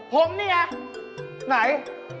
ผมนี่ไงไหน